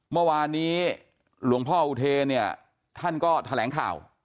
เมื่อวานนี้หลวงพ่ออุเทเนี่ยท่านก็แถลงข่าว